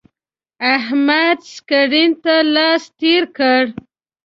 احمد سکرین ته لاس تیر کړ.